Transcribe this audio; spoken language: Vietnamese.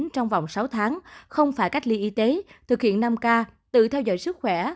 trong vòng sáu tháng không phải cách ly y tế thực hiện năm k tự theo dõi sức khỏe